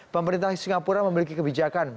pemerintah singapura memiliki kebijakan